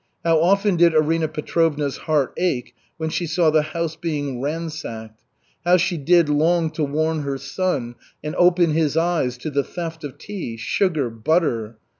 How often did Arina Petrovna's heart ache when she saw the house being ransacked; how she did long to warn her son and open his eyes to the theft of tea, sugar, butter!